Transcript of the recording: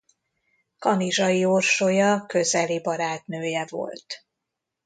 Kanizsai Orsolya közeli barátnője volt.